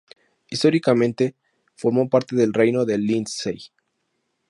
Históricamente, formó parte del Reino de Lindsey.